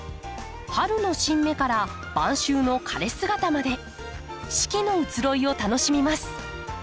春の新芽から晩秋の枯れ姿まで四季の移ろいを楽しみます。